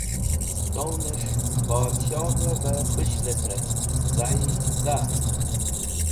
Stownis̃h bodshovẽ bẽ khush lecẽrt, zayi za.